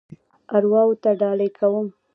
ارواوو ته ډالۍ کوم.